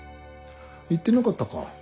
言ってなかったか。